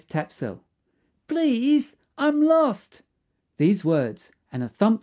TAPSELL "Please, I'm lost." These words, and a thump!